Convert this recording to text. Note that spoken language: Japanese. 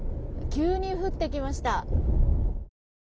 急に降ってきました。